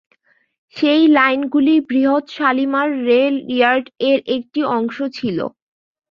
সেই লাইনগুলি বৃহৎ শালিমার রেল ইয়ার্ড-এর একটি অংশ ছিল।